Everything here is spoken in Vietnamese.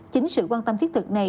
chính sự quan tâm thiết thực này